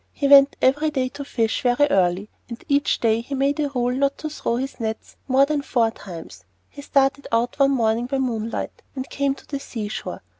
He went every day to fish very early, and each day he made a rule not to throw his nets more than four times. He started out one morning by moonlight and came to the sea shore.